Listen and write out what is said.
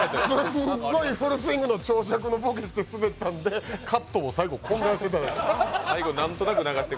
すんごいフルスイングの長尺のボケをしてスベったのでカットを最後、混乱してたんです。